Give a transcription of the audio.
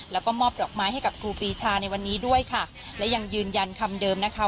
แล้วก็มอบดอกไม้ให้กับครูปีชาในวันนี้ด้วยค่ะและยังยืนยันคำเดิมนะคะ